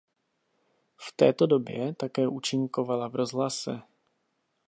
V této době také účinkovala v rozhlase.